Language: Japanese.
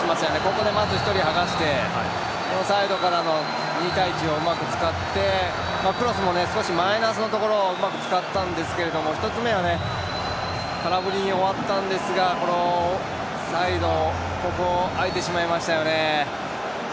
ここでまず１人はがしてサイドからの２対１をうまく使ってクロスも少しマイナスのところをうまく使ったんですけど１つ目は空振りに終わったんですが、サイドここ、空いてしまいましたよね。